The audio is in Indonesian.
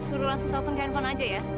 suruh langsung telepon handphone aja ya